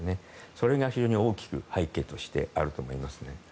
それが非常に大きく背景としてあると思います。